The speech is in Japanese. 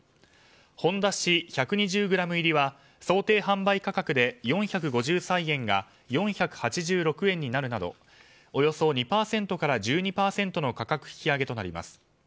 ほんだし１２０ｇ入りは想定販売価格で４５３円が４８６円になるなどおよそ２％から１２％の価格引き上げとなります。